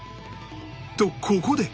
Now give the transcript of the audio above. とここで